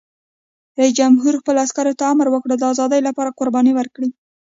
رئیس جمهور خپلو عسکرو ته امر وکړ؛ د ازادۍ لپاره قرباني ورکړئ!